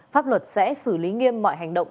pháp luật sẽ xử lý nghiêm mọi hành động